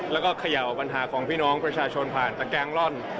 แล้วก็เขย่าปัญหาของพี่น้องประชาชนผ่านตะแกงล่อน